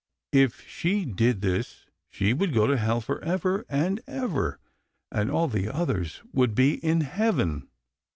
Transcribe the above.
If she did this she would go to hell for ever and ever, and all the others would be in heaven.